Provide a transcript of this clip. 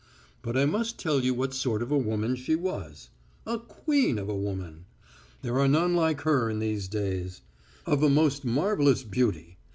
But I must tell you what sort of a woman she was. A queen of women! There are none like her in these days. Of a most marvellous beauty....